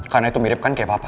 karena itu mirip kan kayak papa